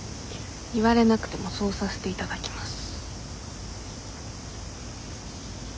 言われなくてもそうさせて頂きます。